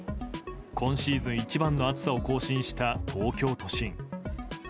今シーズン一番の暑さを更新した東京都心。